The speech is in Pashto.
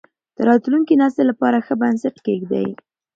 د راتلونکي نسل لپاره ښه بنسټ کېږدئ.